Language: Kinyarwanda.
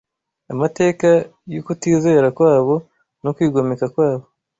Amateka y’ukutizera kwabo no kwigomeka kwabo